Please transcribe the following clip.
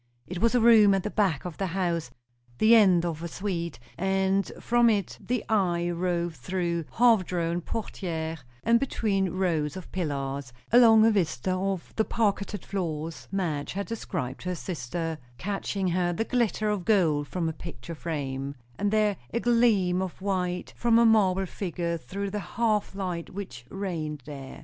It was a room at the back of the house, the end of a suite; and from it the eye roved through half drawn portières and between rows of pillars, along a vista of the parquetted floors Madge had described to her sister; catching here the glitter of gold from a picture frame, and there a gleam of white from a marble figure, through the half light which reigned there.